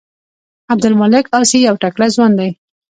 عبدالمالک عاصي یو تکړه ځوان دی.